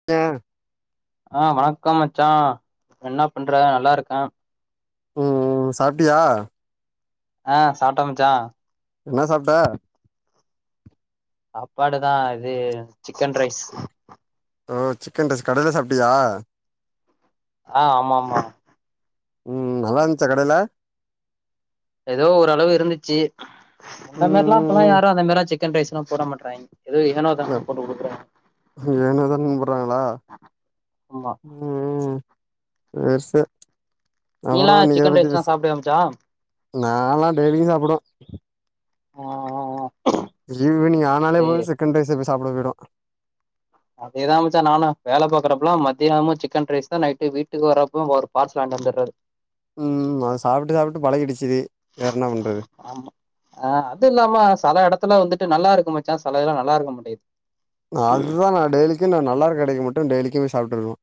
[unintelligible] ஆ வணக்கம் மச்சான் என்ன பண்ற நல்லா இருக்க ம் சாப்டியா ஆ சாப்ட்ட மச்சான் என்ன சாப்ட்ட சாப்பாடு தா இது சிக்கன் ரைஸ் ஓ சிக்கன் ரைஸ் கடையில சாப்ட்டியா ஆ ஆமா ஆமா ம் நல்லாஞ்ச கடைல ஏதோ ஓரளவு இருந்துச்சு அந்த மாரிலா முன்ன மார்லா இப்பல்லா ம் யாரு அந்த மாரி சிக்கன் ரைஸ் எல்லா போட மாட்றாங்க என ஏனோ தானன் போடுறாங்ளா ஆமா ம் சேர் சேர் அப்பறோ நீலா இன்னைக்கி எத சிக்கன் பத்தி ரைஸ்லா பேசு சாப்டுவியா மச்சா ஆ நாலா டெய்லியூ சாப்புடு [unintelligible] ஈவினிங் ஆனாலே ஏ போது சிக்கன் ரைஸ் எப்டி சாப்பட போயிடு அதேதா மச்சா நானு வேல பாக்குறப்பலா மதியானம் சிக்கன் ரைஸ் தா நைட்டு வீட்டு வரப்ப பார்சல் வாங்கிட்டு வந்தறது ம் அது சாப்ட்டு சாப்ட்டு பழகிடிச்சி வேற என்ன பண்றது ஆமா ஆ அது இல்லாம செல இடத்துல வந்துட்டு நல்லா இருக்க மாச்சான் செல இதெல்லா நல்லா இருக்க மாட்டேது நா அதுதா நா டெய்லிக்கு நல்லா இருக்க கடைக்க மட்டு டெய்லிக்கு போய் சாப்ட்டுருவ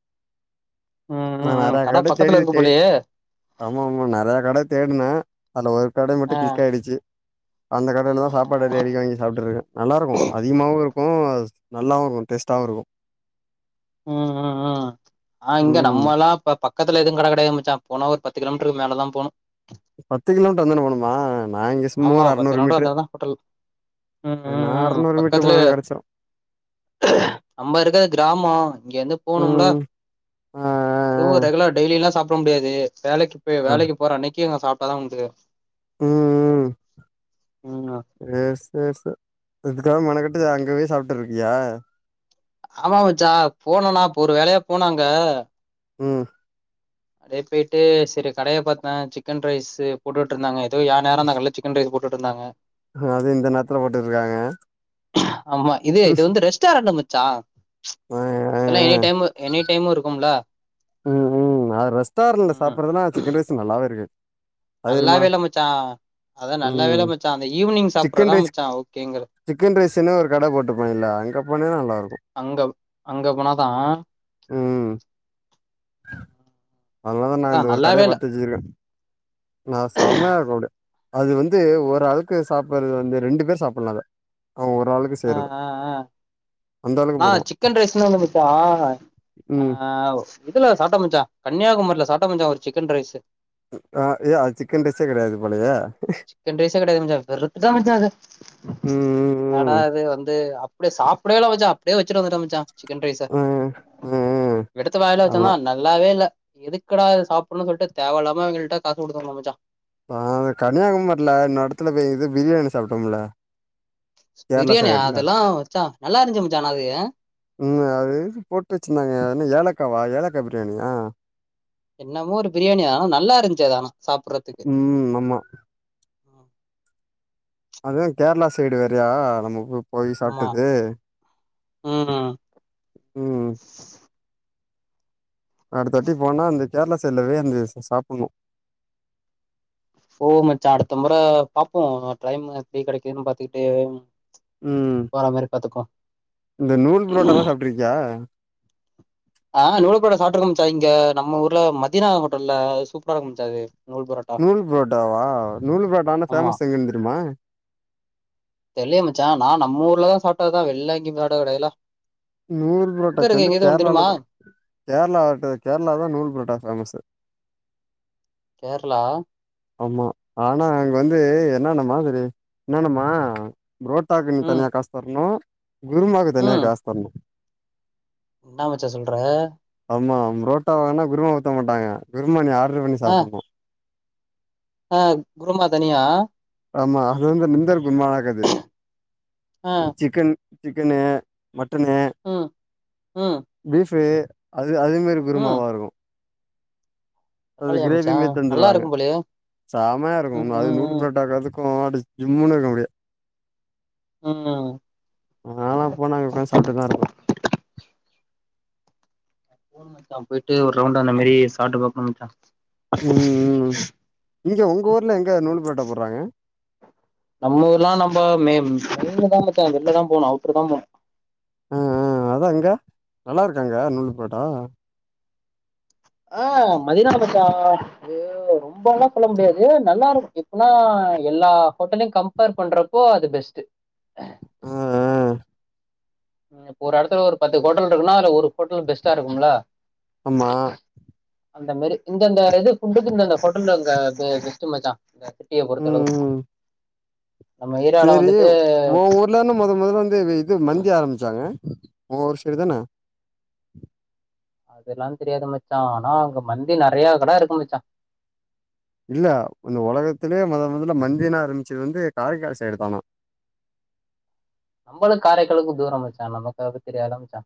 ம் நா ம் ம் நறைய கட பக்கத்துல இருக்கு தேடிவிட்டே போலயே ஆமா ஆமா நறைய கட தேட்ன அதுல ஒரு கட மட்டு ஆ கிளிக் ஆயிடுச்சு அந்த கடைல தா சாப்பாடு டெய்லிக்கு வாங்கி சாப்டுருக்க நல்லா இருக்கு அதிகமாவு இருக்கு நல்லாவு இருக்கு டேஸ்ட்டாவு இருக்கு ம் ம் ம் ஆ இங்க ம் நம்மல்லா இப்ப பக்கத்துல எதுவு கட கடையாது மச்சா போனா ஒரு பத்து கிலோமீட்டருக்கு மேலதா போனு பத்து கிலோமீட்டர் அந்தான போணுமா நா இங்க சும்மா ஆமா ஒரு பத்து அறநூறு கிலோமீட்டர் மீட்ரு வந்தாதா ஹோட்டல் ம் நா ம் ம் அறுநூறு மீட்டரு பக்கத்துல போனலே கடச்சுரு நம்ம இருக்கது கிராமம் இங்க இருந்து போணும்ல ம் ஆ அதுவு ரெகுலர் டெய்லிய எல்லா சாப்ட முடியாது வேலைக்கு போ ஆ அ. வேலைக்கு போற அன்னைக்கி அங்க சாப்ட்டாதா உண்டு ம் ம் [unintelligible] ம் சேர் சே இதுக்காக மெனக்கெட்டு அங்க போய் சாப்ட்டு இருக்கியா ஆமா மச்சா போனும்னா இப்ப ஒரு வேலையா போன அங்க ம் அப்டே போய்ட்டு செரி கடைய பாத்தா சிக்கன் ரைஸ்ஸு போட்டுட்டு இருந்தாங்க ஏதோ எ நேரோ அந்த கடையில சிக்கன் ரைஸ்ஸு போட்டு இருந்தாங்க அதுவு இந்த நேத்துல போட்டு இருக்காங்க ரெஸ்டாரன்டு மச்சா ஆ ஆ அதெல்லா எனி டைமு எனி டைமு இருக்கும்ல ஆ ரெஸ்டாரண்டுல ம் சாப்ட்றதுலா சிக்கன் ரைஸ்ஸு நல்லாவேருக்காது நல்லாவே இல்ல மச்சா அதா நல்லாவே ம் இல்ல மச்சா அந்த ஈவினிங் சிக்கன் சாப்டுறதா ரைஸ் மச்சா ஓகேங்கற சிக்கன் ரைஸ்ன்னு ஒரு கடை போட்டுப்பாங்கள அங்க போனினா நல்லாயிருக்கு அங்கவ் அங்க போனாதா ம் அதனாலதா நா அதா அங்க ஒரு நல்ல கடைய வேல பாத்துவச்சிருக்கே நா செமையாகோடு அது வந்து ஒரு ஆளுக்கு சாப்டுறது வந்து ரெண்டு பேரு சாப்டலா அத அ ஒரு ஆளுக்கு ஆ சரிதா ஆ ஆ ஆ சிக்கன் ரைஸ்னு ஒண்ணு மச்சா ஆ ம் இதுல சாப்ட்ட மச்சா கன்னியாகுமரில சாப்ட்ட மச்சா ஒரு சிக்கன் ரைஸ்ஸு ம் ஆ ஏ அது சிக்கன் ரைச்செ கெடையாது போலயே சிக்கன் ரைஸ்ஸே கெடையாது மச்சா வெறுத்துட மச்சா அத ம் ஹாடா ம் அது வந்து அப்டே சாப்டவே இல்ல மச்சா அப்டே வச்சுட்டு வந்துட்ட மச்சா சிக்கன் ரைஸ்ஸ ம் ம் ம் ம் எடுத்து வாயில ஆமா வச்சேனா நல்லாவே இல்ல எதுக்கடா அத சாப்புணு சொல்ட்டு தேவல்லாம அவுங்கள்ட கச குடுத்து வந்தே மச்சா அ இந்த கன்னியாகுமரல இன்னொ எடத்துல போய் இது ப்ரியாணி சாப்ட்டோம்ல கேரளா ப்ரியாணி சைடுல அதெல்லா மச்சா நல்லா இருச்சு மச்சா ஆன அது ம் அது எதுக்கு போட்டு வச்சுருந்தாங்க அது என்னா ஏலக்காவா ஏலக்கா ப்ரியாணியா என்னமோ ஒரு ப்ரியாணி ஆனா நல்லா இருந்ச்சு அது ஆனா சாப்டடுறதுக்கு ம் ஆமா அது கேர்ளா சைடு வேறய நம்ம போ போய் ஆமா சாப்ட்டது ம் ம் அடுத்தட்டி போனா அந்த கேர்ள சைடில்ல போய் அந்து செ சாப்புன்னு போவு மச்சா அடுத்த முற பாப்போ டைம்மு எப்டி கெடைக்குதுன்னு பாத்துக்கிட்டு ம் போற மாரி பாத்துக்கு இந்த நூல் புரோட்டா தா சாப்ட்ருக்கியா ஆ நூலு புரோட்ட சாப்ட்ருக்கா மச்சா இங்க நம்ம ஊர்ல மதினா ஹோட்டல்ல சூப்பரா இருக்கு மச்சா இது நூல் புரோ நூல் புரோட்டாவா நூல் புரோட்டான்னா ஆமா ஃபேமஸ் எங்கன் தெரிமா தெர்லயே மச்சா நா நம் ஊர்ல தா சாட்ருக்கே வெள்ள எங்கியு சாட்டது கெடையதுல நூல் புரோட்டாக்கு வந்து கேர்ளால தெரியுமா தா கேர்ளா ட கேர்ளா தா நூல் புரோட்டா ஃபேமஸ்ஸு கேர்ளா ஆமா ஆனா அங்க வந்து என்னன்ன மாதிரி என்னன்னம்மா புரோட்டாக்கு நீ ம் தனியா காஸ்தர்ணு குர்மாக்கு தனியா காஸ்தர்ணு இன்னா மச்சா சொல்ற ஆமா ப்ரோட்டா வாங்னா குருமா ஊத்த மாட்டாங்க குருமா நீ ஆட்ரு பண்ணி சாப்புண்ணு. அ குருமா தனியா? ஆமா அது வந்து நிந்தர் குருமாவாக்காது. ஆ கன் சிக்கன் சிக்கனு மட்டனு ம் ம். பீஃபு அது அதேமாரி ம் குருமாவாருக்கு. அது பரவால்லயே மச்சா கிரேவியுமே நல்லா தந்துருவாங்க. இருக்கும் போலயே சமையாருக்கு ம் உண்ம அது ம் ம் நூல் புரோட்டாக்கு அதுக்கு அப்டிஸ் ஜிம்முனுருக்கு அப்டியே. ம். நாலா போனா அங்க ஒக்காந் சாப்ட்டுதாருப்பே. அத்தா போயிட்டு ஒர்ரவுண்டு அந்தமாரி சாப்ட்டு பாக்ணு மச்சா. ம் ம் இங்க உங்க ஊர்ல எங்க நூல் பரோட்டா போட்றாங்க. நம்ம ஊர்லா நம்ப மே [inaudible] மச்சா வெள்ல தா போணு அவுட்ரு தா போணு. அ அ அதா இங்க நல்லா இருக்கா அங்க நூல் பரோட்டா? ஆ மதினா மச்சா அது ரொ ம்பால்லா சொல்ல முடியாது நல்லாருக்கு எப்பினா எல்லா ஹோட்டல்லியு கம்பேர் பண்றப்போ அது பெஸ்ட்டு. அ அ. ம் இப்ப ஒரு எடத்துல ஒரு பத்து ஹோட்டல் இருக்குன்னா அதுல ஒரு ஹோட்டல் பெஸ்ட்டாருக்கும்ல. அம்மா. அந்த மாரி இந்தந்த இது ஃபுட்டுக்கு இந்தந்த ஹோட்டல்ல அங்க இது பெஸ்ட்டு மச்சா. இந்த சிட்டிய ம் பொறுத்தளவு. ம் நம்ம ஏரியால வந்துட்டு இல்லான்னு மொத மொதல வந்து வ இது மந்தி ஆரம்ச்சாங்க உ ஊரு சைடு தான. அதெல்லா தெரியாது மச்சா ஆனா அங்க மந்தி நறையா கட இருக்கு மச்சா. இல்ல இந்த ஒலகத்திலியே மொத மொதல்ல மந்தின் ஆரம்ச்சது வந்து காரைக்கால் சைடு தானா. நம்பளுக் காரைக்காலுக்கு தூரோ மச்சா நமக்கு அத பத் தெரியாதுல மச்சா.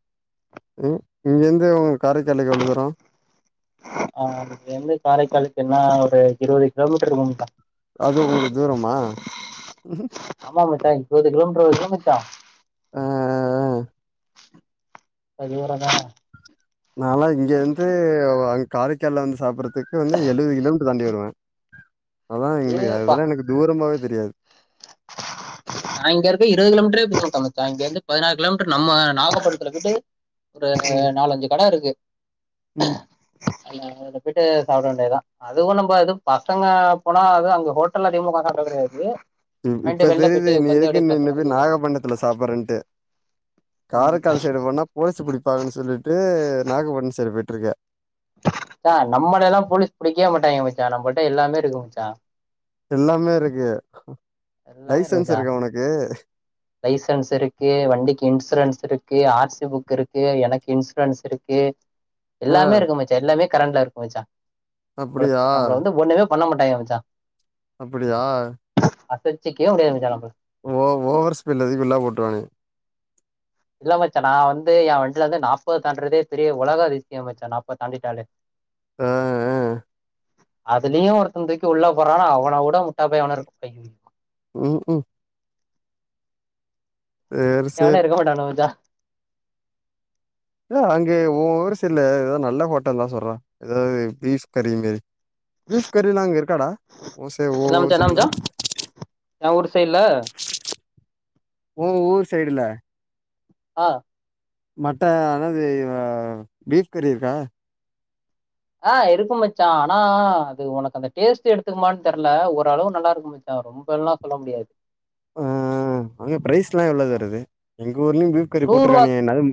ம் இங்கிந்து உங் காரைக்காலுக்கு எவ்ளோ தூரோ? அ இங்கிந்து காரைக்காலுக்கு என்னா ஒரு இருவது கிலோமீட்ரு இருக்கு மச்சா. அது உங்குளுக் தூரமா? ஆமா மச்சா இப்போது கிலோமீட்ரு வருதுல்ல மச்சா. அ அ அ. கையோடதா. நால்லா இங்கந்து வ அங் காரைக்கால்ல வந்து சாப்பற த்துக்கு வந்து எழுவது கிலோமீட்ரு தாண்டி வருவே அதா எங்குளுக்கு இதுப்பா அதுல்லா எனக்கு தூரமாவே தெரியாது. நா இங்க இருக்க இருவது கிலோமீட்ரே போ மாட்ட மச்சா இங்கந்து பதினாறு கிலோமீட்ரு நம்ம நாகப்பட்த்லக்குது. ஒரு ம் நாலஞ்சு கட இருக்கு. ம். அதல போயிட்டு சாப்ட வேண்டிதா. அது ஒன்னு பொ இது பசங்க போனா அது அங்க ஹோட்டல்ல அதிகமா ஒக்காந் சாப்ட கெடையாது. ம் இப்ப வாங்கிட்டு வெளில தெரிது போயிட்டு நீ எது உக்காந்து க்கு அப்டியே நின்ன பசங்களோட போய் ஜாலியா நாகப்பட்னத்துல சாப்பறன்ட்டு ம் காரைக்கால் சைடுவ் ஒன்னா போலீஸு புடிப்பாங்கன்னு சொல்லிட்டு நாகப்பட்னத் சைடு போயிட்ருக்க. ச்சா நம்மள எல்லாம் போலீஸ் புடிக்வே மாட்டாய்ங்க மச்சா நம்பள்ட்ட எல்லாமே இருக்கு மச்சா. எல்லாமே இருக்கு. எல்லாமே இருக்கு லைசன்ஸ் மச்சா இருக்கா உனக்கு? லைசன்ஸ் இருக்கு, வண்டிக்கு இன்சூரன்ஸ் இருக்கு, ஆர் சி புக் இருக்கு எனக்கு இன்சூரன்ஸ் இருக்கு. ஆ எல்லாமே இருக்கு மச்சா எல்லாமே கரண்ட்ல இருக்கு மச்சா நம்ல அப்டியா நம்மல வந்து ஒண்ணுமே பண்ண மாட்டாங்க மச்சா அப்பிடியா அசச்சுக்கவே முடியாது மச்சா நம்ல ஓ ஓவர் ஸ்பீட் [unintelligible] ஓட்றாங்க இல்ல மச்சா நா வந்து ஏ வண்டில இருந்து நாப்பது தாண்டுறதே பெரிய உலக அதிசயோ மச்சா நாப்பது தாண்டிட்டாலே ஆ ஆ அதுலயு ஒருத்தன தூக்கி உள்ள போடுறான்னா அவன விட முட்டாப்பய எவனு இருக்க மாட்டாங்க ம்க்ம் சேரி சேரி எவனு இருக்க மாட்டானு மச்சா இல்ல அங்க ஓ ஊர் சைடுல எதாவது நல்ல ஹோட்டல் இருந்தா சொல்றா எதாவது பீஃப் கறி மாரி பீஃப் கரிலா அங்க இருக்காடா ஓ ஊர் சைடுல ஏ ஊர் சைடுல ஓ ஊர் சைடுல ஆ மட்ட அதென்னது பீஃப் கறி இருக்கா ஆ இருக்கு மச்சா ஆனா அது உனக்கு அந்த டேஸ்ட் எடுத்துக்குமான்னு தெரில ஓரளவு நல்லா இருக்கு மச்சா ரொம்பல்லா சொல்ல முடியாது ஆ அங்க பிரைஸ்ல்லா எவ்ளோ வருது எங்க ஊர்லயு பீஃப் கரி நூறுவா போட்டிருக்கான என்னால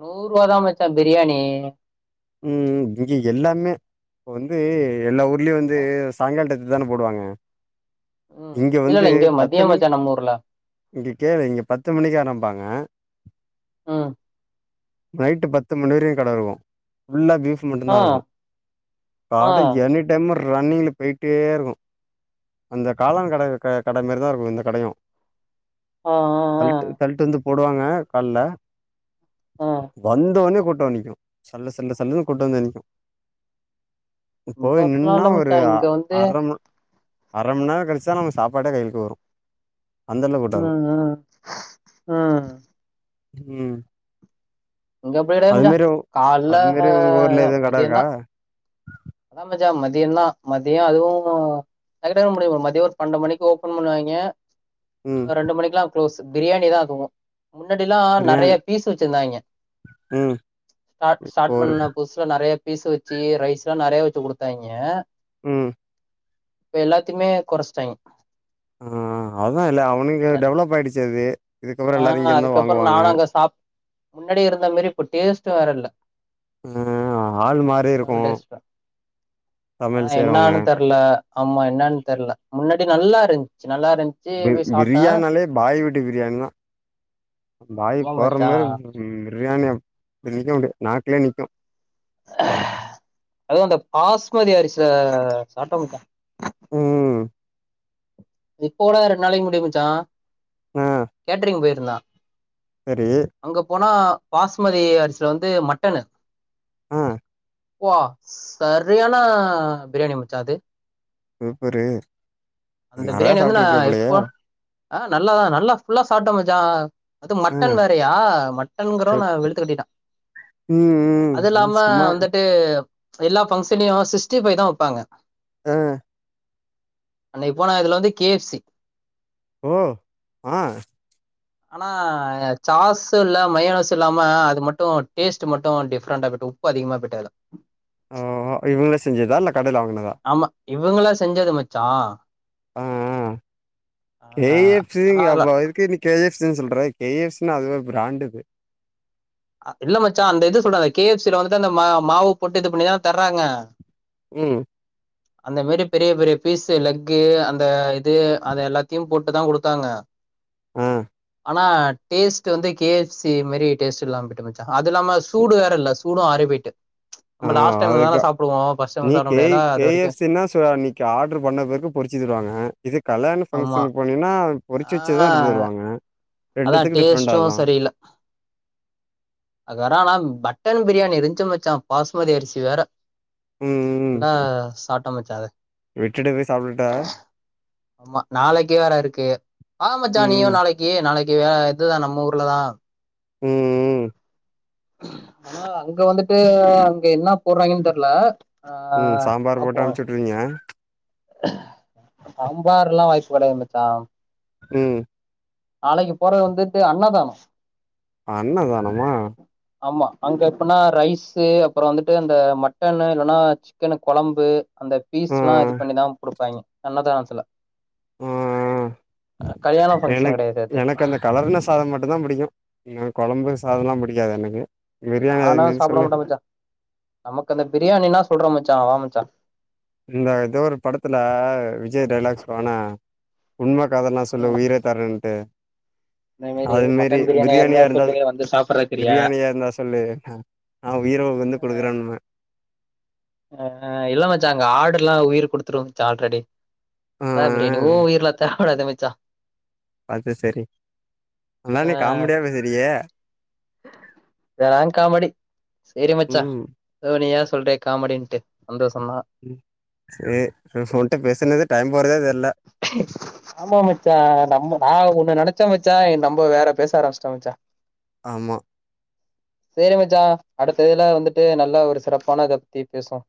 நூறு ரூவா தா மச்சா பிரியாணி ம் இங்க எல்லாமே இப்ப வந்து எல்லா ஊர்லயு வந்து சாயங்கால டயத்துல தானே போடுவாங்க ம் இங்க இல்ல வந்து இல்ல இங்க மதிய பத்து மணி மச்சா நம்ம ஊர்ல இங்க கேளு இங்கே பத்து மணிக்கு ஆரம்பிப்பாங்க ம் நைட்டு பத்து மணி வரையு கடஃபு இருக்கு ல்லா பீப் மட்டுதா ஆ இருக்கு ஆ கட எனிடை டைம் ரன்னிங்கில் போய்டிட்டே இருக்கு அந்த காளான் கட க கட மாரி தா இருக்கு இந்த கடையு ஆ ஆ ஆ தல்ட்டு தல்ட்டு வந்து போடுவாங்க கால்ல ஆ வந்தோனே கூட்டோ நிக்கு சல்லு சல் சல்ல சல்லன்னு கூட்டோ வந்து நிக்கு இங்க போய் அப்டிலா நின்னா இல்ல ஒரு மச்சா இங்க வந்து அர மணி அர மணி நேரோ கழிச்சா நமக்கு சாப்பாட்டே கையிக்கு வரு அந்த அளவுக்கு கூட்ட இருக் ம் ம் ம் ம் இங்க எப்டி இல்லடா அது மச்சா மாரி கால்ல மதியந்தா ஹ அதா மச்சா மதியந்தா மதியோ அதுவு ட்க்கு டக்குனு முடியு மதியோ ஒரு பன்னென்டு மணிக்கு ஓப்பன் பண்ணுவாங்க ம். ரெண்டு மணிக்கு எல்லா குளோஸ்சு பிரியாணி தா ஆக்குவோ முன்னாடி எல்லா நெறைய பிரியாணி பீஸ் வெச்சிருந்தாங்க ம் ஸ்ட் ஸ்டார்ட் ஒரு பண்ண புதுசுல நெறைய பீசு வெச்சு ரைஸ்ல்லா நெறைய வெச்சு குடுத்தாங்க ம் இப்ப எல்லாத்தையுமே கொறச்சிட்டாங்க ஆ அதா இல்ல அவனுங்க டெவலப் ஆயிடுச்சு அது இதுக்கப்பறோ ஆ எல்லாரு இங்க இருந்துதா அதுக்கப்புறோ வாங்குவாங்க நானு அங்க சாப் முன்னாடி இருந்த மாரி இப்போ டேஸ்ட் வேற இல்ல அ ஆள் மாரி அலோ இருக்கும் டெஸ்பா ஆ சமையல் செய்றவங்க. என்னானு தெர்ல ஆமா என்னான் தெர்ல முன்னாடி நல்லாருஞ்சு நல்லாருந் பி பிரியாணாலே பாய் வீட்டு பிரியாணிதா பாய் வா போர்ற மச்சா மாரி ம் பிரியாணி அப் இத்தனைக்கு அப்டே நாக்லியே நிக்கு அதுவு அந்த பாஸ்மதி அரிசே சாப்ட்டே மச்சா ம் இப்போ கூட ரெண் நாளைக்கு முன்னாடி மச்சா கேட்ரிங் போயிருந்தா செரி அங்க போனா பாஸ்மதி அரிசில வந்து மட்டனு அ வா சரியான பிரியாணி மச்சா அது சூப்பரு அந்த நெறையா பிரியாணி வந்து நா சாப்ட்ருப்பிய போலயே எப்போ ஆ நல்லாதா நல்லா ஃபுல்லா சாப்ட்டே மச்சா அது ஆ மட்டன் வேறையா மட்டன்ங்கெரவு நா சூப் வெழுத்து கட்டிட்டே ம் ம் அது ம் இல்லாம சும்மா வந்துட்டு எல்லா பங்க்ஷனையு சிக்ஸ்ட்டி ஃபைதா வெப்பாங்க அ போன இதுல வந்து கே எஃப் சி ஓ ஆ ஆனா சாசு இல்ல மையோனைசு இல்லாம அது மட்டு டேஸ்ட்டு மட்டு டிஃப்ரெண்டா பட் உப் உப்பு அதிகமா பெட்டால ஓ இவுங்ளே செஞ்சதா இல்ல கடைல வாங்னதா ஆமா இவங்களா செஞ்சது மச்சா அ அ ஆ கே எஃப் சி ஆனா ங்க அதுல அப்ப அதுக்கு நீ கே ஜி எஃப் சின் சொல்ற கே எஃப் சி னா அது ஒரு பிராண்டுது அ இல்ல மச்சா அந்த இது சொல்றாங்க கே எஃப் சில வந்துட்டு அந்த மா மாவு போட்டு இது பண்ணிதான தர்றாங்க ம் அந்த மேரி பெரிய பெரிய பீஸ்சு லெக்கு அந்த இது அத எல்லாத்தியும் போட்டுதா குடுத்தாங்க அ ஆனா டேஸ்ட்டு வந்து கே எஃப் சி மேரி டேஸ்ட்டு இல்லாம போய்ட்டு மச்சா அது இல்லாம சூடு வேற இல்லச் சூடு ஆரி போயிட்டு ஆ நம்ம லாஸ்ட் டைம்லதான அதுக்கா சாப்டுவோ ஃபர்ஸ்ட் நீ டைம் சாப்ட கேய் முடியாதுல கே அது வரைக்கு எஃப் சின்னா சோ நீக் ஆர்டர் பண்ண பிறகு பொறிச்சி தருவாங்க இது கல்யாண ஆமா ஃப்ங்க்ஷனு போ னினா பொறிச்சு ஆ வச்சதுதா எடுத்து தருவாங்க அதா ரெண்டுத்துக்கு டிஃப்ரெண்ட் டேஸ்ட்டும் அதா அகறானாம் பட்டன் பிரியாணி இருஞ்ச்சு மச்சா பாஸ்மதி அரிசி வேற ம் ம். அல்லா சாப்ட்ட மச்சா அத விட்டுட்டு போய் சாப்ட்டுட்ட ஆமா நாளைக்கே வேற இருக்கு வா மச்சா ம், நீயு நாளைக் கி நாளைக்கு வே இதுதா நம்ம ஊர்லதா ம் ம். ஆனா அங்க வந்துட்டு அங்க என்ன போர்றாய்ங்கன் தெர்ல அ ம். சாம்பார் போட்டு பாப்போ அனுப்பிச்சு விட்டுருவீங்க. சாம்பார்லா வாய்ப்பு கெடையது மச்சா ம் நாளைக்குப் போறது வந்துட்டு அன்னதானோ அன்னதானமா ஆம்மா அங்க எப்புனா ரைஸு அப்றோ வந்துட்டு அந்த மட்டனு இல்லனா சிக்கனு கொழம்பு அந்த ஆ, பீஸ்லா இது பண்ணிதா குடுப்பாயாங்க அன்னதானத்துல ஓ கல்யாண ஃபங்க்ஷன் எனக் கெடையாது அது எனக்கு அந்த கலர்னஸ் [unintelligible] சாதம் மட்டுந்தா புடிக்கு எனக்கு கொழம்பு சாதல்லா புடிக்காது எனக்கு பிரியாணி அது நானு மாரி சாப்ட சொல்லு. மாட்டே மச்சா நமக்கு அந்த பிரியாணின்னா சொல்ற மச்சா வா மச்சா இந்த எதோ ஒரு படத்துல விஜய் டைலாக் சொல்வானா உண்ம காதல்னா சொல்லு ம் உயிரத் தர்ரன்டு இந்த அது மாரி மட்டன் பிரியாணியா இருந்தா சொல்லு வந்து சாப்பிடறக்கிறியா பிரியாணியா இருந்தா சொல்லு நா உயிர வந்து குடுக்குறேனுவே ஆ இல்ல மச்சா அங்க ஆடுல்லா உயிர் குடுத்துறு மச்சா ஆல்ரெடி ஆ, அதா ஆ. பிரியாணி ஓ உயிர்லா தர கூடாது மச்சா அது சரி நல்லா ஆ நீ காமடியா பேசுறியே இதலா காமடி சேரி மச்சா ம். எதோ நீயாவது சொல்றியே காமடின்ட்டு சந்தோஷந்தா ம் சேர் ஓன்ட்ட பேசுனது டைம் போறதே தெர்ல ச ஆமா மச்சா நம்ம நா ஒன்னு நெனச்சே மச்சா நம்ம வேற பேச ஆரம்பிஸ்ட்டோ மச்சா ஆமா சேரி மச்சா அடுத்த இதுல வந்துட்டு நல்லா ஒரு சிறப்பான இத பத்தி பேசுவோ